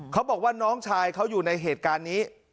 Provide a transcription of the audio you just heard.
เขาบอกว่าน้องชายเขาอยู่ในเหตุการณ์นี้